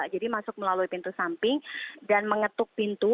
jadi masuk melalui pintu samping dan mengetuk pintu